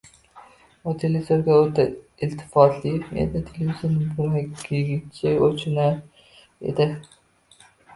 U, televizorga... o‘ta iltifotli edi! Televizorni buragichdan o‘chirar edi.